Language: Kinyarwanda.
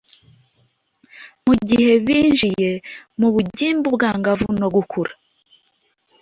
igihe binjiye mu bugimbiubwangavu no gukura